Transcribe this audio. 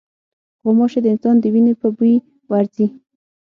غوماشې د انسان د وینې په بوی ورځي.